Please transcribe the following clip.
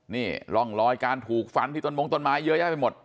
นี่ร่องรอยการถูกฟันที่ต้นมงต้นไม้เยอะแยะไปหมด